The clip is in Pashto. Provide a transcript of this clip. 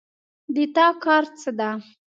د تا کار څه ده